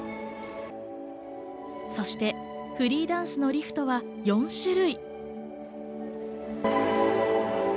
そしてフリーダンスのリフトは４種類。